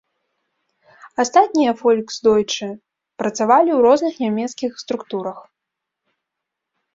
Астатнія фольксдойчэ працавалі ў розных нямецкіх структурах.